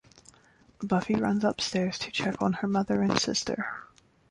Buffy runs upstairs to check on her mother and sister.